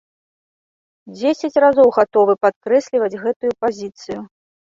Дзесяць разоў гатовы падкрэсліваць гэтую пазіцыю!